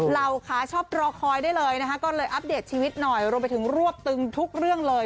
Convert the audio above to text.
เหล่าค่ะชอบรอคอยได้เลยนะคะก็เลยอัปเดตชีวิตหน่อยรวมไปถึงรวบตึงทุกเรื่องเลย